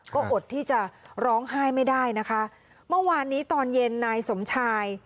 ก็อดที่จะร้องไห้ไม่ได้นะคะเมื่อวานนี้ตอนเย็นนายสมชาย